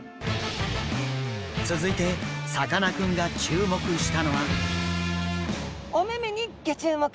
続いてさかなクンが注目したのは。